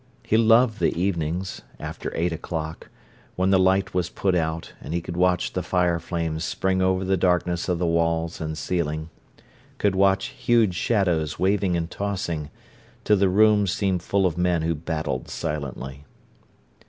He loved the evenings, after eight o'clock, when the light was put out, and he could watch the fire flames spring over the darkness of the walls and ceiling; could watch huge shadows waving and tossing, till the room seemed full of men who battled silently.